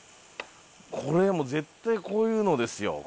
これはもう絶対こういうのですよ。